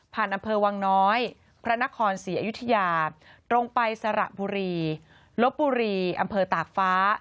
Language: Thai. อำเภอวังน้อยพระนครศรีอยุธยาตรงไปสระบุรีลบบุรีอำเภอตากฟ้า